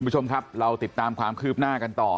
คุณผู้ชมครับเราติดตามความคืบหน้ากันต่อ